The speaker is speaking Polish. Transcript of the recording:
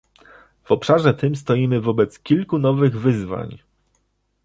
W obszarze tym stoimy wobec kilku nowych wyzwań